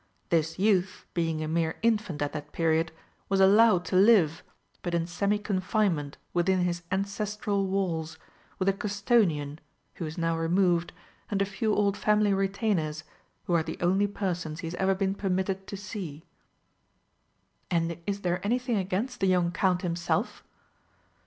This youth, being a mere infant at that period, was allowed to live, but in semi confinement within his ancestral walls, with a custodian (who is now removed), and a few old family retainers, who are the only persons he has ever been permitted to see." "And is there anything against the young Count himself?"